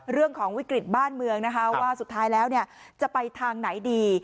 เรื่องของวิกฤตบ้านเมืองนะคะว่าสุดท้ายแล้วจะไปทางไหนดี